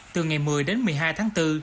từ ngày một mươi đến một mươi hai tháng bốn